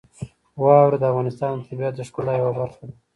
واوره د افغانستان د طبیعت د ښکلا یوه برخه ده.